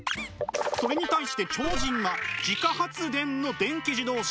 それに対して超人は自家発電の電気自動車。